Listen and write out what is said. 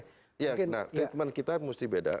iya nah treatment kita mesti beda